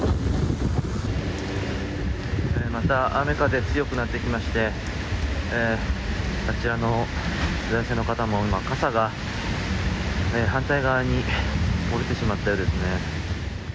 また、雨風強くなってきましてあちらの男性の方も今、傘が反対側に折れてしまったようですね。